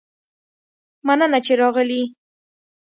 مننه چې راغلي